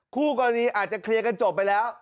คู่กรณีอาจจะเคลียร์กันจบไปแล้ว